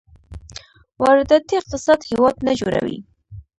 وارداتي اقتصاد هېواد نه جوړوي.